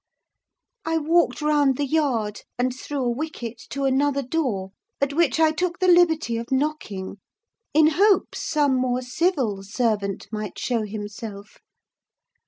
I walked round the yard, and through a wicket, to another door, at which I took the liberty of knocking, in hopes some more civil servant might show himself.